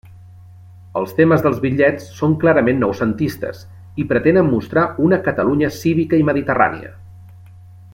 Els temes dels bitllets són clarament noucentistes i pretenen mostrar una Catalunya cívica i mediterrània.